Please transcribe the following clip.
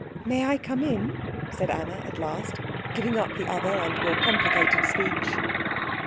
"May I come in?" said Anna at last, giving up the other and more complicated speech.